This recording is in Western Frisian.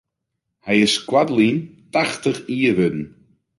Hy is koartlyn tachtich jier wurden.